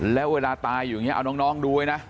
แล้วเวลาตายอยู่อย่างนี้เอาน้องดูไว้นะ